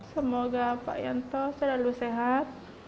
semoga pak yanto selalu sehat